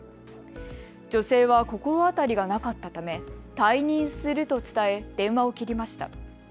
女性は心当たりがなかったため退任すると伝え電話を切りました。